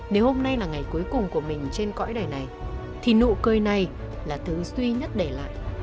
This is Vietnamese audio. nếu hôm nay là ngày cuối cùng của mình trên cõi đầy này thì nụ cười này là thứ duy nhất để lại